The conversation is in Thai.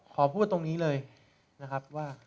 ขอพูดตรงนี้เลยนะครับว่า